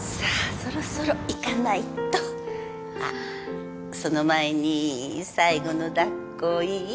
そろそろ行かないとあっその前に最後のだっこいい？